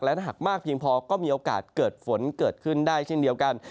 และถ้าหากมากเพียงพอก็มีโอกาสเกิดฝนเกิดขึ้นได้เช่นเดียวกัน